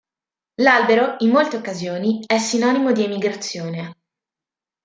L’albero in molte occasioni è sinonimo di emigrazione.